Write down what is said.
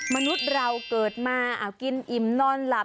มนุษย์เราเกิดมากินอิ่มนอนหลับ